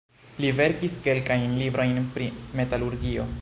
Li verkis kelkajn librojn pri metalurgio.